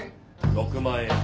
６万円。